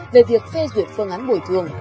về việc phê duyệt phương án bồi thường